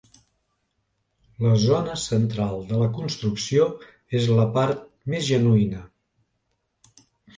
La zona central de la construcció és la part més genuïna.